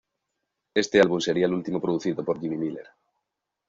Este álbum sería el último producido por Jimmy Miller.